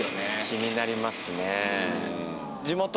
気になりますね